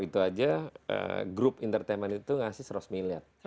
itu aja grup entertainment itu ngasih seratus miliar